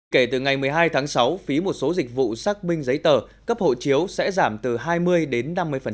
kể từ ngày một mươi hai tháng sáu phí một số dịch vụ xác minh giấy tờ cấp hộ chiếu sẽ giảm từ hai mươi đến năm mươi